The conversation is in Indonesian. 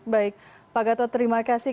baik pak gatot terima kasih